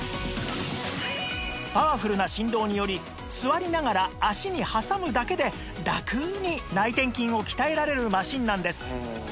パワフルな振動により座りながら脚に挟むだけでラクに内転筋を鍛えられるマシンなんです